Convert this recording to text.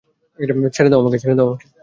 ছেঁড়ে দাও আমাকে!